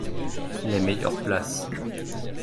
Les meilleures places.